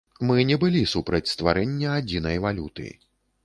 Мы не былі супраць стварэння адзінай валюты.